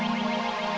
saya mau makan